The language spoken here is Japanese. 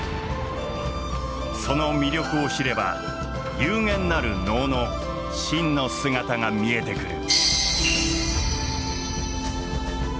その魅力を知れば幽玄なる能の真の姿が見えてくる。